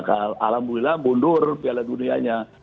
alhamdulillah mundur piala dunianya